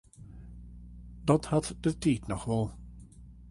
Dat hat de tiid noch wol.